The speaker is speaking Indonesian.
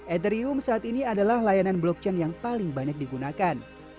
etherium saat ini adalah layanan blockchain yang paling banyak digunakan